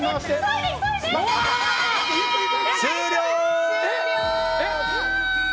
終了！